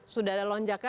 sudah ada lonjakan